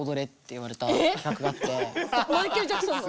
マイケル・ジャクソンの？